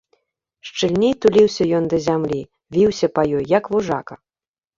Шчыльней туліўся ён да зямлі, віўся па ёй, як вужака.